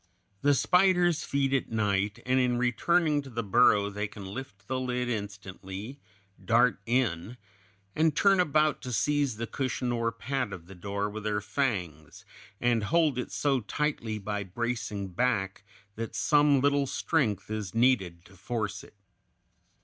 The spiders feed at night, and in returning to the burrow they can lift the lid instantly, dart in, and turn about to seize the cushion or pad of the door with their fangs, and hold it so tightly by bracing back that some little strength is needed to force it.